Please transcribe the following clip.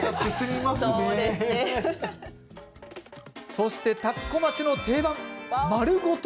そして、田子町の定番丸ごと